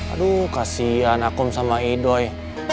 aduh kasian akum sama idoi